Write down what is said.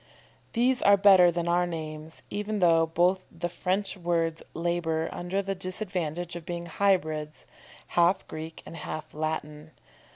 _ These are better than our names, even though both the French words labour under the disadvantage of being hybrids, half Greek and half Latin.